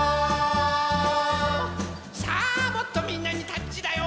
さあもっとみんなにタッチだよ！